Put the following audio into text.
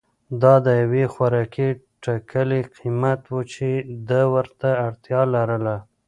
دا د یوې خوراکي ټکلې قیمت و چې ده ورته اړتیا لرله.